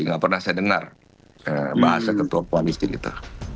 nggak pernah saya dengar bahasa ketua koalisi gitu